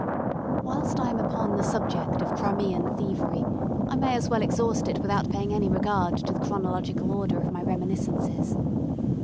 Whilst I am upon the subject of Crimean thievery, I may as well exhaust it without paying any regard to the chronological order of my reminiscences.